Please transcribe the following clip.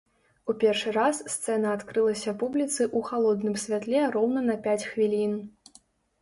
У першы раз сцэна адкрылася публіцы ў халодным святле роўна на пяць хвілін.